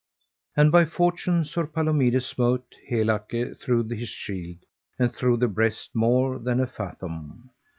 And by fortune Sir Palomides smote Helake through his shield and through the breast more than a fathom.